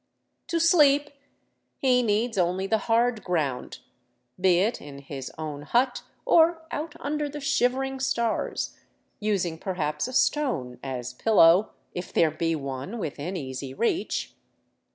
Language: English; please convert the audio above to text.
To sleep he needs only the hard ground, be it in his own hut or out under the shivering stars, using perhaps a stone as pillow, if there be one within easy reach.